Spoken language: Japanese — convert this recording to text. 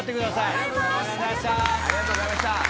ありがとうございます！